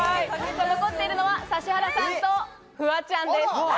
残っているのは、指原さんとフワちゃんです。